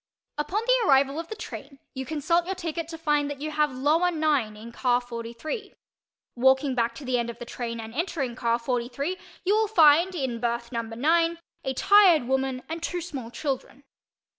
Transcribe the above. Upon the arrival of the train you consult your ticket to find that you have "lower 9" in car 43. Walking back to the end of the train and entering car 43 you will find, in berth number 9, a tired woman and two small children.